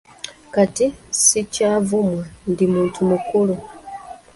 Kati sikyavumwa, ndi muntu mukulu.